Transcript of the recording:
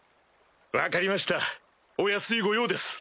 分かりましたお安いご用です。